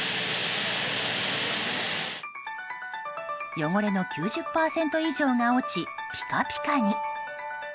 汚れの９０％以上が落ちピカピカに。